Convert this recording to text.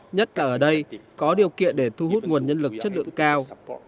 nhất là ở đây có điều kiện để thu hút nguồn nhân lực chất lượng cao